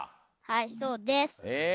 はいそうです。へえ。